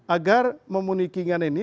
agar memenuhi kebutuhan ini